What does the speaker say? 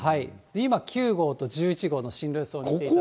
今、９号と１１号の進路予想見ていただきましたが。